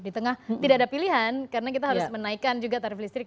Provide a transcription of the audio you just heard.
di tengah tidak ada pilihan karena kita harus menaikkan juga tarif listrik